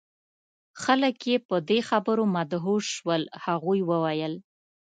خلک یې په دې خبرو مدهوش شول. هغوی وویل: